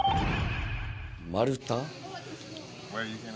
丸太？